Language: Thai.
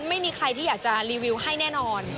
ไม่มีใครที่อยากจะรีวิวให้แน่นอน